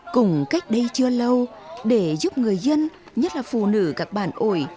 cùng cách đây chưa lâu để giúp người dân nhất là phụ nữ các bản ổi